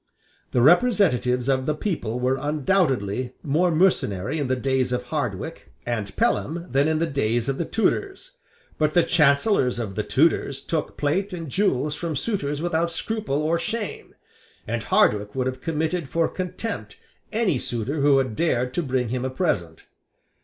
The representatives of the people were undoubtedly more mercenary in the days of Hardwicke and Pelham than in the days of the Tudors. But the Chancellors of the Tudors took plate and jewels from suitors without scruple or shame; and Hardwicke would have committed for contempt any suitor who had dared to bring him a present.